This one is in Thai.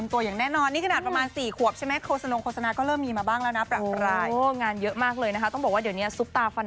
คือเขายังที่จะทำงานแบบหลายวันติดกัน